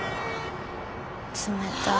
冷たい。